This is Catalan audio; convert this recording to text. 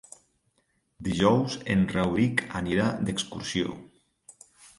Dijous en Rauric anirà d'excursió.